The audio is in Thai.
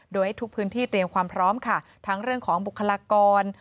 โดยให้ทุกพื้นที่เตรียมความพร้อมค่ะทั้งเรื่องของบุคลากร